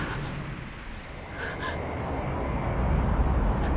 あっ。